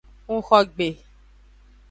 Ngxo gbe.